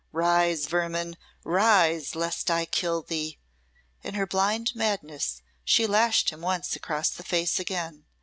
Rise, vermin rise, lest I kill thee!" In her blind madness she lashed him once across the face again.